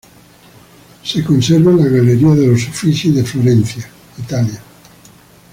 Se conserva en la Galería de los Uffizi de Florencia, Italia.